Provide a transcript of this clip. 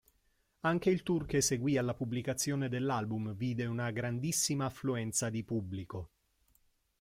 Anche il tour che seguì alla pubblicazione dell'album vide una grandissima affluenza di pubblico.